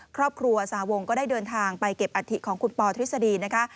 ครอบครัวสหวงก็ได้เดินทางไปเก็บอัฐิของคุณปอทฤษฎีนะคะ